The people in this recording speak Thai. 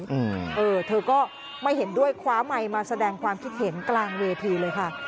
อืมเออเธอก็ไม่เห็นด้วยคว้าไมค์มาแสดงความคิดเห็นกลางเวทีเลยค่ะ